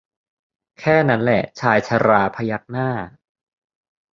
แค่นั้นแหละชายชราพยักหน้า